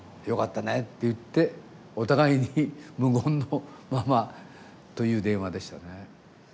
「よかったね」って言ってお互いに無言のままという電話でしたね。